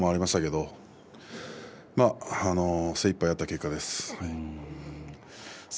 でも精いっぱいやった結果です。